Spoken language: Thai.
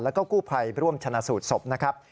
แล้วก็กู้ภัยร่วมชนะสูตรศพนะครับ